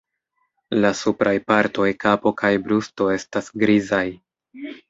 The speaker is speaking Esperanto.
La supraj partoj, kapo kaj brusto estas grizaj.